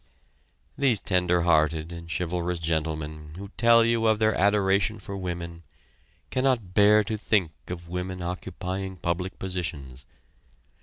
These tender hearted and chivalrous gentlemen who tell you of their adoration for women, cannot bear to think of women occupying public positions.